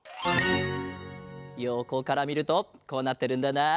よこからみるとこうなってるんだな。